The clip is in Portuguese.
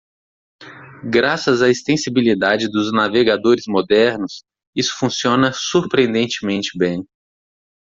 Graças à extensibilidade dos navegadores modernos? isso funciona surpreendentemente bem.